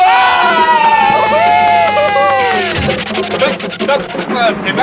เห็นไหม